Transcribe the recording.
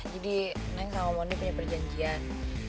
jadi neng sama omondi punya perjanjian